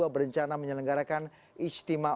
berencana menyelenggarakan istimewa ulama dua